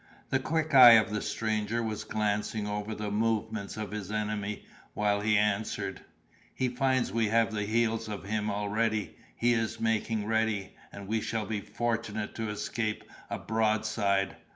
The quick eye of the stranger was glancing over the movements of his enemy, while he answered— "He finds we have the heels of him already! he is making ready, and we shall be fortunate to escape a broadside!